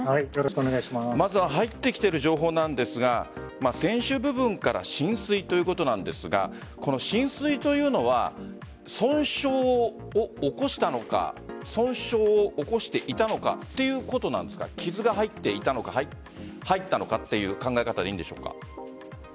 まずは入ってきている情報なんですが船首部分から浸水ということなんですがこの浸水というのは損傷を起こしたのか損傷を起こしていたのかということなんですが傷が入っていたのか入ったのかという考え方でいいんでしょうか？